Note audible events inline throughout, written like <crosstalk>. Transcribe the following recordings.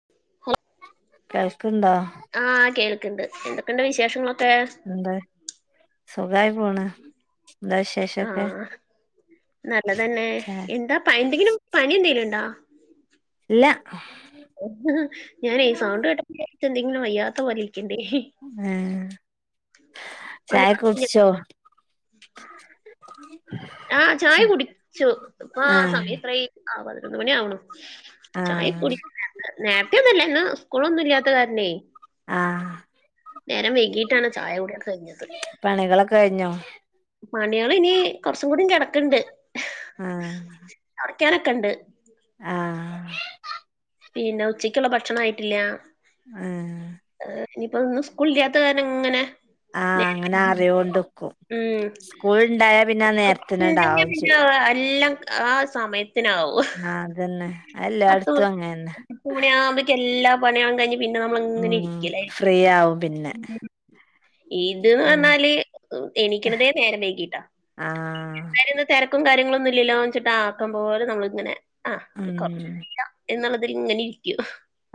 <unintelligible> <unintelligible> കേൾക്ക്ണ്ടോ ആഹ് കേൾക്കണ്ട് എന്തൊക്കെണ്ട് വിശേഷങ്ങളൊക്കെ സുഖായിപോണ് ന്താ വിശേഷൊക്കെ ആഹ് നല്ലതന്നെ ചാ എന്താ എന്തെങ്കിലും പണിന്തെലും ഉണ്ടോ ഇല്ല ഞാനീ സൗണ്ട് കേട്ടപ്പ വിചാരിച്ച് എന്തെങ്കിലും വയ്യാത്ത പോലിരിക്കണ്ണ്ട് ഏഹ് ചായ കുട്ച്ചോ ആ ചായ കുടിച്ചു ഇപ്പൊ ആഹ് ആസമയം എത്രായി ആ പതിനൊന്ന് മണി ആവണു ചായ ആഹ് <unintelligible> നേരത്തെ ഒന്നല്ലേ ഇന്ന് സ്കൂളൊന്നും ഇല്ലാത്ത കാരണെ ആഹ് നേരം വൈകിട്ടാണ് ചായ കുടിക്കെ കഴിഞ്ഞത് പണികളൊക്കെ കഴിഞ്ഞോ പണ്യാളിനി കൊറച്ചും കൂടി കിടക്കണ്ട് ആഹ് തൊടക്കാനൊക്കെണ്ട് ആഹ് പിന്നെ ഉച്ചയ്ക്കുള്ള ഭക്ഷണം ആയിട്ടില്ല ആഹ് നിയിപ്പൊ ഇന്നു സ്കൂളില്ലാത്ത കാരണം ഇങ്ങനെ ആഹ് നേ- അങ്ങനെ ആറിയോണ്ട്ക്കും ഉം സ്കൂൾ ഇണ്ടായാ പിന്നെ നേരത്തിനണ്ടാവും ചെയ്യും അ അല്ലാം ആ സമയത്തിനാവും ആഹ് അതെന്നെ എല്ലാടത്തും അങ്ങന്നെ എട്ട് മണ്യാമ്പേക്ക് എല്ലാ പണികളും കഴിഞ്ഞ് പിന്നെ നമ്മളിങ്ങനെ ഉം ഇരിക്കലായിരിക്കും ഫ്രീ ആവും പിന്നെ ഉം ഇത്ന്ന്നഞ്ഞാല് എണിക്കണതേ നേരം വൈകിട്ടാ ആഹ് <unintelligible> തിരക്കും കാര്യങ്ങളൊന്നും ഇല്ലല്ലോച്ചിട്ട് ആക്കംപോലെ നമ്മളിങ്ങനെ ആ <unintelligible> ഉം എന്നുള്ളത് ഇങ്ങനെ ഇരിക്കും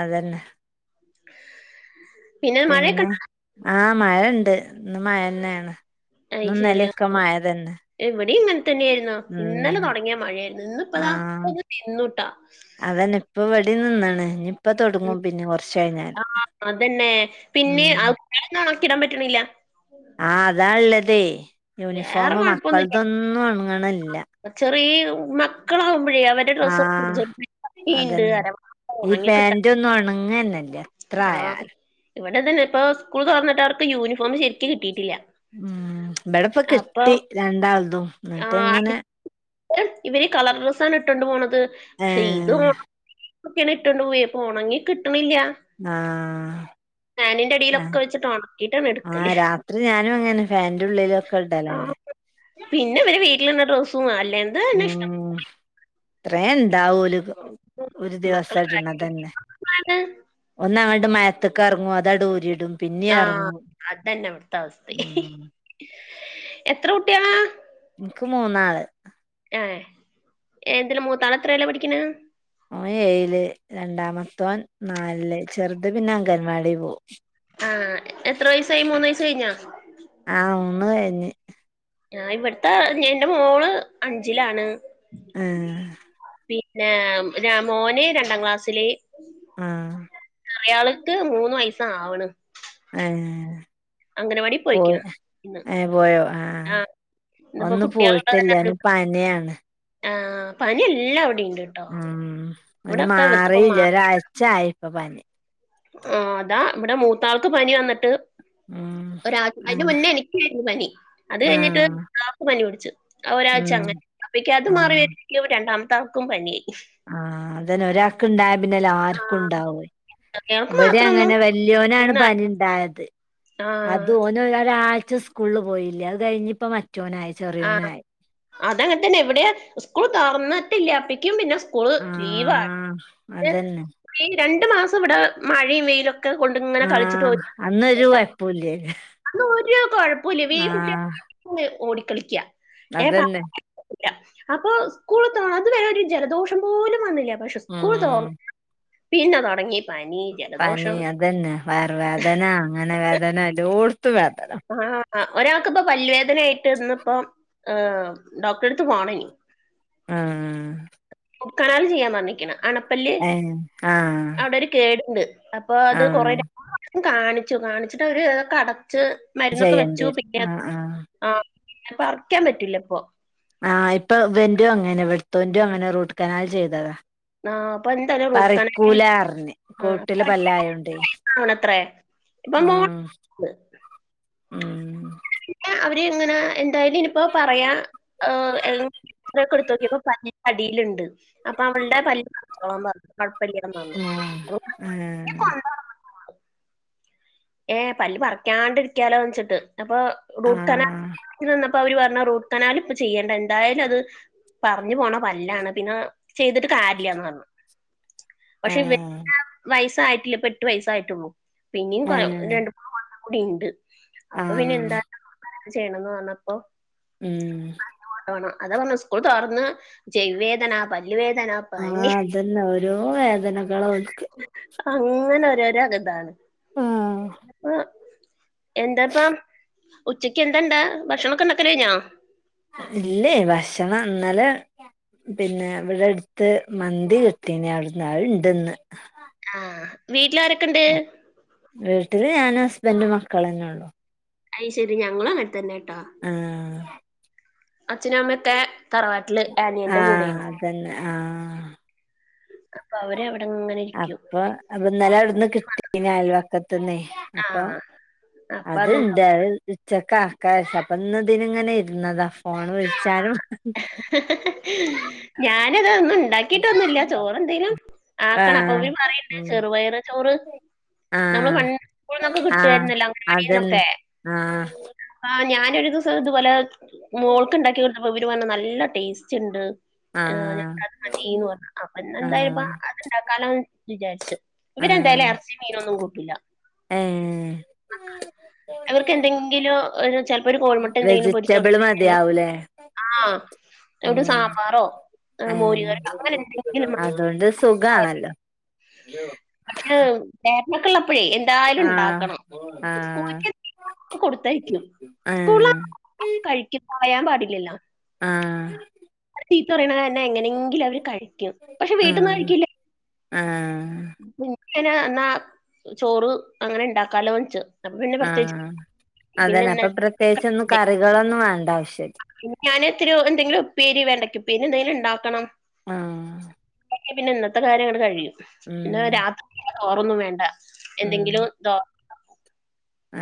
അതന്നെ <inaudible> പിന്നെ ആഹ് മഴണ്ട് ഇന്ന് മഴന്നെയാണ് അത് ശരിയാ ഇവിടെ ഇങ്ങനെ തന്നെയായിന്നു ഉം ഇന്നലെ തൊടങ്ങിയ മഴയായിരുന്നു ഇന്നിപ്പതാ ആഹ് ഇപ്പൊന്ന് നിന്നുട്ടാ അതന്നെ ഇപ്പവടിം നിന്ന്ണ് മ് ആഹ് അതന്നെ പിന്നെ ഉം തുണിയൊന്നും ഒണക്കൻ ഇടാൻ പറ്റണില്ല ആഹ് അതാ ള്ളതെ വേറെ യൂണിഫോം മക്കളതൊന്നും ഒണങ്ങണില്ല ചെറീ മക്കളാകുമ്പോഴേ അവർ ഡ്രസ്സ് ആഹ് <unintelligible> ഒണങ്ങി കിട്ടാ ന്നൊണങ്ങന്നല്ല ആഹ് ഇവിടതന്നെ ഇപ്പോ സ്കൂൾ തുറന്നിട്ട് അവർക്ക് യൂണിഫോമ് ശരിക്ക് കിട്ടിയിട്ടില്ല മ് ബടപ്പൊ അപ്പൊ കിട്ടി രണ്ടാളതും ആ ന്നിട്ട്ങ്ങനെ അടുത്ത് ഇവര് കളർ ഡ്രസ്സാണ് ഇട്ടൊണ്ട് പോണത് ക്ഷെ ഇതു- ഏഹ് ഒക്കെയാണ് ഇട്ടോണ്ട് പോയെ ഇപോണങ്ങി കിട്ടണില്ല ആഹ് ഫാനിന്റെ അഹ് അടിയിലൊക്കെ വെച്ചിട്ട് ഉണക്കിയിട്ടാണ് എടുക്കല് ആഹ് രാത്രി ഞാനും അങ്ങനെന്നെ ഫാൻന്റെ ഉള്ളിലും ഒക്കെ ആ ഇടലാണ് പിന്നെ ഇവര് വീട്ടിലിട്ന്ന ഡ്രസും അല്ലേന്ന് മ് ത്രേ ണ്ടാവോല് ഒരു ദിവസം മക്കളെ കാര്യമാണ് ഇടണതന്നെ ഒന്ന അങ്ങട്ട് മയത്തക്കെറങ്ങും അതാങ്ടൂരിടും ആഹ് അതന്നെ ഇവിടുത്തെ അവസ്ഥി ഉം എത്ര കുട്ടിയാളാ ഇനിക്ക് മൂന്നാള് ഏഹ് എന്ത്‌ല് മൂതാൾ എത്രേലാ പഠിക്കണെ ഓൻ ഏയില് രണ്ടാമത്തോൻ നാല്ൽ ചെറുത് പിന്നെ അംഗൻവാടി പോവും ആഹ് എത്ര വയസായി മൂന്ന് വയസ് കഴിഞ്ഞ ആഹ് മൂന്ന് കഴിഞ്ഞ് ആ് ഇവിടുത്തെ എന്റെ മോള് അഞ്ചിലാണ് മ് പിന്നെ മോന് രണ്ടാം ക്ലാസ്സില് ആഹ് ചെറിയാൾക്ക് മൂന്ന് വയസാവ്ണ് ഏഹ് പോയ് പോയിക്കണ് ഇന്ന് ഏ പോയോ ആഹ് ഇന്നിപ്പോ ഒന്ന് കുട്ടികളുള്ളത് പോയിട്ടില്ല തന്നെ അന് ഒരു പനിയാണ് ആഹ് പനി എല്ലാവിടിംണ്ട് ഉം പനി മാറിയില്ല മാ ഒരാഴ്ച്ചായി ഇപ്പോ പനി ആഹ് അതാ ഇവിടെ മൂത്താൾക്ക് പനി വന്നിട്ട് ഉം ഒരാ അതിന്റെ ആഹ് മുന്നേ എനിക്കായിരുന്നു പനി അത് കഴിഞ്ഞിട്ട് ആഹ് മുത്ത ആൾക്ക് പനി പിടിച്ചു ഒരാഴ്ച ഉം അങ്ങനെ അപ്പേക്ക് അത് മാറി ആഹ് വരുമ്പോയെക്കു രണ്ടാമത്തെ ആൾക്കും പനിയായി ആഹ് അതന്നെ ഒരാൾക്ക് ഇണ്ടായ പിന്നെല്ലർക്കും ഉണ്ടാവും ചെറിയാൾക്ക് ഇവിടെ മാത്രൊന്നും അങ്ങന്നെ വല്യോനാണ് ഒന്ന പനി ഇണ്ടായത് ആഹ് അത് ഓൻ ഒരാഴ്ച സ്കൂളിൽ പോയില്ല അത് കഴിഞ്ഞിപ്പോ മറ്റോനായി ആ ചെറിയോനായി അതങ്ങനെ തന്നെ ഇവിടെ സ്കൂൾ തുറന്നിട്ടില്ല അപ്പിക്കും പിന്നെ സ്കൂ സ്കൂള് ആ ലീവ് ആയി അതന്നെ ഈ രണ്ടു മാസം ഇവിടെ മഴയും വെയിലൊക്കെ കൊ ഇക്ക കൊണ്ട് ഇങ്ങനെ ആ കളിച്ചിട്ട് അന്നൊരു കുഴപ്പൂല്ലേന് <unintelligible> അന്ന് ഒരു കൊഴപ്പില്ല ഈ ആ കുട്ടിക ഓടിക്കളിക്ക ഏ പറ അതന്നെ പോകുലാ അപ്പൊ സ്കൂൾ തുറ അതു വരെ ഒരു ജലദോഷം പോലും വന്നില്ല പക്ഷെ സ്കൂൾ ഉം തുറ പിന്നെ തുടങ്ങി പനി പനി ജലദോഷം അതന്നെ വയർ വേദന അങ്ങനെ വേദന ഏലോട്‌ത്ത്‌വേദന ആഹ് അഹ് ഒരാൾക്ക് ഇപ്പോ പല്ല് വേദനയായിട്ട് ഇന്ന് പോ ഏഹ് ഡോക്ടറെടുത്ത് പോണം ഇനി ആഹ് റൂട്ട്കനാൽ ചെയ്യാൻ പറഞ്ഞ്ക്ണ് അണപല്ല് ഏ ആ അവിടെ ഒരു കേടുണ്ട് അപ്പൊ ആ അത് കൊറെ കാണിച്ചു കാണിച്ചിട്ട് അവര്തൊക്കെ അടച്ച് മരുന്നൊക്കെ ചെയ്യേണ്ടി വെച്ചു വരും പിന്നെ ആ ആ ആപ്പോ പർക്കാൻ പറ്റില്ല ഇപ്പോ ആഹ് ഇപ്പൊ ഇവന്റൊ അങ്ങനെ ഇവിടത്തോന്റോ അങ്ങനെ റൂട്ട് കനാൽ ചെയ്തതാ ആഹ് അപ്പൊ എന്താലും റൂട്ട്കനാലും പറിക്കൂലാ പറഞ്ഞ് കോട്ടില് പല്ലായോണ്ടേ ആണത്രേ ഇപ്പൊ മോൾ ഉം ഉം പിന്നെ അവര് ഇങ്ങനെ എന്തായാലും ഇനിപ്പോ പറയാ ഏഹ് എക്സറ എടുത്ത്നോക്കിയപ്പോ പല്ലിന്റെ അടിയിലുണ്ട് അപ്പൊ അവളുടെ പല്ല് പറിചോളാൻ പറഞ്ഞു കുഴപ്പല്ലന്ന് പറഞ്ഞു ഉം ഉം ആഹ് അപ്പോ കൊണ്ടോ ഏഹ് പല്ല്പറിക്കാണ്ടിരിക്കാലോ ച്ചിട്ട് അപ്പൊ റൂട്ട് കനാൽ ആഹ് നിന്നപ്പോ ഇപ്പൊ അവര് പറഞ് റൂട്ട് കനാൽ ഇപ്പ ചെയ്യേണ്ട എന്തായാലും അത് പറഞ്ഞു പോണ പല്ലാണ് പിന്നെ ചെയ്തിട്ട് കാര്ല്ല്യാന്ന് പറഞ്ഞു പക്ഷെ ഇവൻവയസ്സായിട്ടില്ലേ എട്ടു വയസ്സായിട്ടുള്ളൂ പിന്നും കൊ ഏഹ് ടിണ്ട് അപ്പൊ പിന്നെ എന്താ ആഹ് ചെയ്യണംന്ന് പറഞ്ഞപ്പോ ഉം അയ്ന് കൊണ്ടോണം അതാ പറഞ്ഞ സ്കൂൾ തുറന്ന ചൈവിവേദന പല്ലുവേദന ആഹ് പനി അതന്നെ ഓരോ വേദനകള ഓല്ക്ക് അങ്ങനെ ഒരോരോര്താണ് ആഹ് ഇഞ്പ്പോ എന്താപ്പോ ഉച്ചക്ക് എന്താണ്ടാ ഭക്ഷണൊക്കെ ഉണ്ടാകൽ കഴിഞ്ഞോ ഇല്ലേ ഭക്ഷണം ഇന്നലെ പിന്നെ ഇവിടെ അടുത്ത് മന്തി കിട്ടീന്ന് അവിടെന്ന് അഹ് ഇണ്ട്ന്ന് ആഹ് വീട്ടില് ആരൊക്കെണ്ട് വീട്ടില് ഞാനും ഹസ്ബന്റും മക്കള്ന്നെ ഉള്ളു അഐ ശരി ഞങ്ങളു അങ്ങൻതന്നെട്ടോ ആഹ് അച്ഛനും അമ്മയുംഒക്കെ തറവാട്ടില് ആനിയന്റെ ആഹ് കൂടെന്നു അതന്നെ ആഹ് അപ്പൊ അവര് അവിടെങ്ങനെ അപ്പൊ അവ്ട് ഇന്നലെ അവിടുന്ന് കിട്ടീക്ന് അയൽവാക്കത്തിന്നെ അപ്പൊ ആഹ് അപ്പൊ അത്ണ്ട് അതുണ്ടാവും ഉച്ചക് ആക്കാ വിചാരിച്ച് ഇന്ന് ഇതിന്ഇങ്ങനെ ഇരുന്നതാ ഫോൺവിളിച്ചാനും ഞാനതൊന്നും ഉണ്ടാക്കിട്ടൊന്നില്ല ചോറ് എന്തേലും ആക്കണം ആഹ് അപ്പൊല് പറിയിണ്ട് ഉം ചെറുപയർ ചോറ് നമ്മള് ആഹ് പണ്ട് സ്കുൾന്നൊക്കെ ആഹ് കിട്ടായിരുന്നല്ലോ അതന്നെ അംഗനവാടിന്നൊക്കെ ആഹ് ആഹ് ഞാനൊരു ദിവസം ഇതുപോലെ മോൾക്ക് ഉണ്ടാക്കി കൊടുത്തപ്പോ വി ട്ട് വന്ന് നല്ല ടേസ്റ്റ് ണ്ട് ആഹ് ഞ അത് മതിന്ന് പറഞ്ഞു അപ്പെന്തായ്പ ആഹ് അത് ഇണ്ടാക്കാലോന്ന് വിചാരിച്ചു ഇവര് എന്തായാലും ആഹ് ഇറച്ചി മീനൊന്നും കൂട്ടുല്ല ഏഹ് അവർക്ക് എന്തെങ്കിലും ഒരു ചിലപ്പോ ഒരു കോഴിമുട്ട എന്തെലും പൊരിച്ചു കൊടു മതിയാവുലെ ആഹ് ഒരു ഉം സാമ്പാറോ ഏഹ് മോര് ആഹ് കറിയോ അങ്ങനെ എന്തെങ്കിലും മതി. അതുകൊണ്ട് സുഖാണല്ലോ ല്ല്യോ ഏഹ് ഏട്ട്നൊക്കെള്ളപ്പഴേ ന്തായാലും ആഹ് ണ്ടാക്കണം ആഹ് <unintelligible> കൊടുത്തയ്ച്ണ് സ്കൂള ഏഹ് കഴിക്കും കളയാൻ പാടില്ലല്ലോ ആഹ് <unintelligible> തന്നെ എങ്ങനെയെങ്കിലും അവര് കഴി ആഹ് ആഹ് <unintelligible> എന്നാ ചോറ് അങ്ങനെ ഇണ്ടാക്കാലോന്ന് വെച്ച് അപ്പൊ പിന്നെ പ്രത്യേകിച്ച് ആഹ് പിന്നെ അതന്നെ അപ്പൊ ഇന്നത്തെ പ്രത്യേകിച്ച് ഒന്നും കറികളൊന്നും വേണ്ട ആവശ്യല്ല പിന്നെ ഞാന് ഇത്തിരി എന്തെങ്കിലും ഉപ്പേരി വേണ്ടക്ക ഉപ്പേരി എന്തെങ്കിലും ഉണ്ടാക്കണം ആഹ് പിന്നെ ഇന്നത്തെ കാര്യങ്ങട് കഴിയും പിന്നെ ഉം രാത്രി വെറൊന്നും വേണ്ട ഉം എന്തെങ്കിലു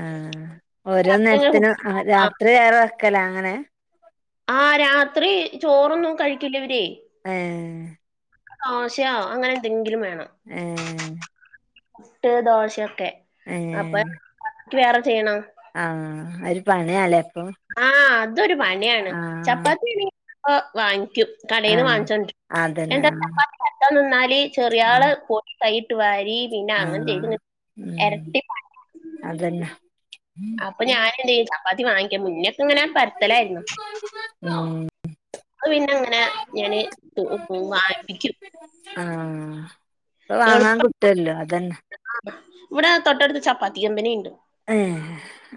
ആഹ് ഓരോ രാത്രി അങ്ങനെ നേരത്തിനും കുട്ടികൾക്ക് രാത്രി ഏറെ വെക്കല അങ്ങനെ ആഹ് രാത്രി ചോറൊന്നും കഴിക്കില്ല ഇവര് ഏഹ് ദോശയാ അങ്ങനെ എന്തെങ്കിലും വേണം ഏഹ് മുട്ട് ദോശയൊക്കെ ഏഹ് പ്പൊ <unintelligible> ക്ക് വേറെ ചെയ്യണം ആഹ് ഒരു പണിയല്ലേ അപ്പൊ ആഹ് അതൊരു പണിയാണ് ആഹ് ചപ്പാത്തി <inaudible> വാങ്ങിക്കും കടയിന്ന് ആഹ് വാങ്ങിച്ചോണ്ട് അതന്നെ എന്താ ആഹ് ചപ്പാത്തി പരത്താൻ നിന്നാല് ചെറിയ ആള് ആഹ് കൈയിട്ട് വാരി പിന്നെ അങ്ങനെ ചെയ്ത് ആഹ് ഉം എരട്ടി പണി അതന്നെ അപ്പൊ ഞാൻ എന്ത്യ്യും ചപ്പാത്തി വാങ്ങിക്കും മുനൊക്കെ ഇങ്ങനെ പരത്തലായിരുന്നു <inaudible> ഞങ്ങൾ പിന്നെ അങ്ങനെ ഞാന് വാങ്ങിപിക്കും ആഹ് ഇപ്പൊ വാങ്ങാൻ കുട്ട്വല്ലോ അതന്നെ ആഹ് ഇവിടെ തൊട്ടടുത്ത് ചപ്പാത്തി കമ്പനിയിണ്ട് ഏഹ്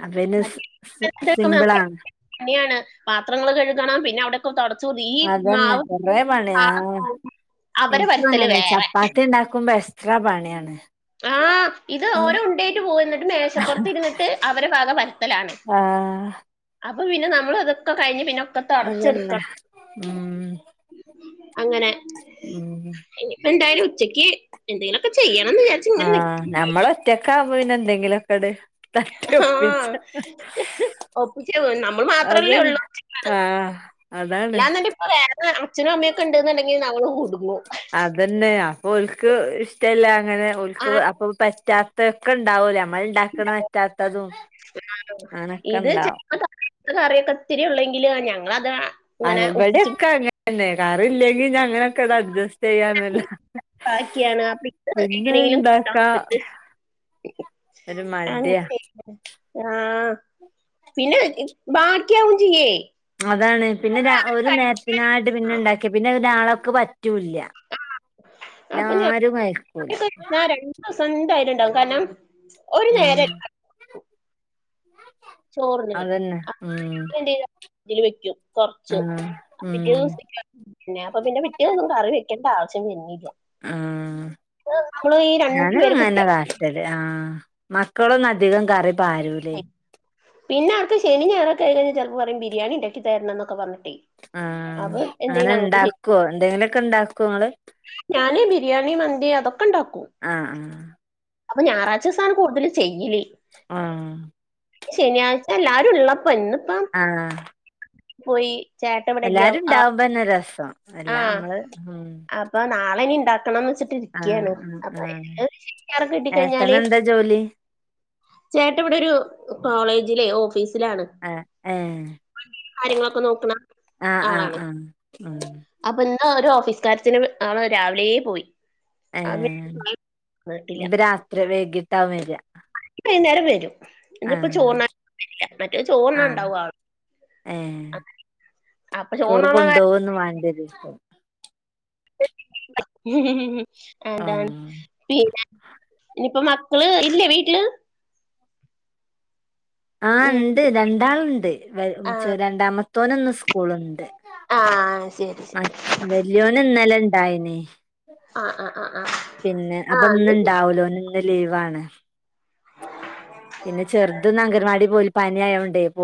അത് പിന്നെ സ് സ് സിമ്പിളാണ് <unintelligible> പാത്രങ്ങള് കഴുകണം പിന്നെ അവിടെ തുടച്ച് ഈ അതന്നെ മാവ് <inaudible> എനക്ക് വരുത്തല് അങ്ങനെ വേറെ ചപ്പാത്തി ഉണ്ടാക്കുമ്പോ എക്സ്ട്രാ പണിയാണ് ആഹ് ഇത് ഓരോ ഉണ്ടയിട്ട് പോവുന്നിട്ട് മേശപ്പുറത്ത് ഇരുന്നിട്ട് അവരെ വക പരത്തലാണ് ആഹ് അപ്പൊ പിന്നെ നമ്മൾ അതൊക്കെ കഴിഞ്ഞ് പിന്നെ ഒക്കെ അതന്നെ തൊടെച്ചെടുക്കണം ഉം അങ്ങനെ ഉം ഇനിപ്പ എന്തായാലും ഉച്ചക്ക് എന്തെലുക്കെ ചെയ്യണം ന്ന് ആഹ് ഞമ്മള് ഒറ്റക്കാവുമ്പോ പിന്നെ എന്തെങ്കിലുക്കെങ്ങട് തട്ടി ആ ഒപ്പിച്ച ഒപ്പിച്ച് നമ്മൾ അത് മാത്രമല്ലേ ആഹ് അതാണ് ല്ലാ ഇപ്പ വേറെ അച്ഛനും അമ്മയൊക്കെ ഉണ്ടുണ്ടെങ്കിൽ നമ്മള് കുടുങ്ങും അതന്നെ അപ്പൊ ഒൽക്ക് ഇഷ്ടല്ല അങ്ങനെ ആ ഒക്ക് അപ്പൊ പറ്റാത്തൊക്കെ ഉണ്ടാവൂലേ നമ്മൾ ഇണ്ടാക്കണ പറ്റാത്തതും അനൊക്കെ ഇത് ഇണ്ടാവും ചിലപ്പോ കറിയൊക്കെ ഒത്തിരിയള്ളെങ്കില് ഞങ്ങളത് ഇങ്ങനെ അവിടെക്കെ ഒപ്പിച്ച് അങ്ങനന്നെ കറില്ലെങ്കി ഞ അങ്ങനെയൊക്കെ അഡജസ്റ്റ് ചെയ്യാനല്ല ബാക്കിയാണ്. അപ്പൊ ഇത് പിന്നെ എങ്ങനെയെങ്കിലും കൂട്ടാൻ ഉണ്ടാക്കാ നോക്കിട്ട് ഒരു മടിയ ആഹ് പിന്നെ ബാടിക്കാവും ചെയ്യേ അതാണ് പിന്നെ ഒരു നേരത്തിനായിട്ട് പിന്നെ ണ്ടാക്കിയ പിന്നെ നാളൊക്കെ പറ്റൂല്ല ന്നെ ആരും കഴിക്കൂല സ്വന്തായിട്ടുണ്ടാവും കാരണം ഒരു മ് നേരല്ല ചോറിന് അതന്നെ ഉം <unintelligible> ത്തില് വെക്കും കൊർച്ച്. ആഹ് പിറ്റേ ഉം ദിവസ്‌ത്ത്ക്ക് പിന്നെ അപ്പൊ പിന്നെ പിറ്റേന്നൊന്നും കറി വെക്കേണ്ട ആ വശ്യം വര്നില്ല. ആഹ് നമ്മള് ഈ രണ്ടു പേരെ കുട്ടിയെ തലേ ആഹ് മക്കളൊന്നും അധികം കറി പാരൂലേ. പിന്നെ അവർക്ക് ശനിം ഞായറൊക്കെ ആയിക്കഴിഞ്ഞാ ചെലപ്പം പറയും ബിരിയാണി ഉണ്ടാക്കി തരണം ന്നൊക്കെ പറഞ്ഞിട്ടെ ആഹ് അങ്ങനെ ഇണ്ടാക്കുവോ? എന്തെങ്കിലു ഒക്കെ ഉണ്ടാക്കോ ഇങ്ങള്? ഞാന് ബിരിയാണി, മന്തി അതൊക്കെ ഉണ്ടാക്കും. ആഹ് ആഹ് അപ്പൊ ഞായറാഴ്ച സാണ് കൂടുതല് ചെയ്യല്. ആഹ് ശനിയാഴ്ച എല്ലാരും ഉള്ളപ്പം ഇന്ന്പ്പം. ആഹ്. പോയി ചേട്ടൻ എല്ലാരും ഇണ്ടാവുമ്പന്നെ രസം. എല്ലാ ആഹ് നമ്മള് ഉം അപ്പ നാളെ ഇനി ഇണ്ടാക്കണംന്ന് വെച്ചി ട്ട് ആഹ് ക്ക്യാണ്. ആഹ് ആഹ് അപ്പയ്ന്ല്ലത് <unintelligible> കിട്ടിക്കഴിഞ്ഞാല് ഏട്ടനെന്താ ജോലി ചേട്ട ഇവിടെ ഒരു കോളേജിലെ ഓഫീസിലാണ്. ആഹ് ഏഹ് <unintelligible> കാര്യങ്ങളൊക്കെ നോക്ണ ആഹ് ആഹ് ആളാണെ. ആഹ് ഉം അപ്പൊ ഇന്ന് ഒരു ഓഫീസ് കാര്യത്തിന് ആള് രാവിലെ പോയി. <unintelligible> വന്നിട്ടില്ല <unintelligible> വൈകിട്ടാ വരാ വൈന്നേരം വരും ഇന്ന്പ്പ ആഹ് ചോർണ്ണാൻ എത്തീട്ടില്ല. മറ്റേ ചോറ്ണ്ണാൻ ആഹ് ഉണ്ടാവും ആള്. ഏഹ് അപ്പൊ ചോറ് ചോറിനുള്ള കാര്യം കൊണ്ടോവൊന്നും വാണ്ടര്യൂ ലേക്കാരം. ആതാണ് ആഹ് പിന്നെ ഇനിയിപ്പ മക്കള് ഇല്ലേ വീട്ടില്? ആഹ് ഉം. ഇണ്ട് രണ്ടാള്ണ്ട്. വൽ ആ രണ്ടാമത്തോന് ന്ന് സ്കൂളുണ്ട്. ആഹ് ശെ <unintelligible> വല്യോന് ഇന്നലെ ഇണ്ടായിനി. ആഹ് ആഹ് ആഹ് ആഹ് പിന്നെ അപ്പ ആഹ് ഇന്ന് ഇണ്ടാവുലോന് ന്ന് ഇന്ന് ലീവാണ് പിന്നെ ചെറ്ത് ഇന്ന് അങ്കൻവാടി പോയ്ല പനി ആയോണ്ടേ